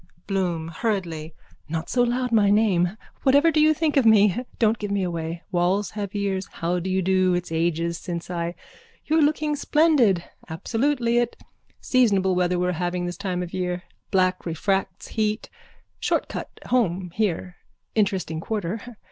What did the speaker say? BLOOM: (Hurriedly.) Not so loud my name. Whatever do you think of me? Don't give me away. Walls have ears. How do you do? It's ages since I. You're looking splendid. Absolutely it. Seasonable weather we are having this time of year. Black refracts heat. Short cut home here. Interesting quarter.